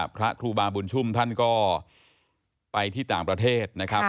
พระครูบาบุญชุ่มท่านก็ไปที่ต่างประเทศนะครับ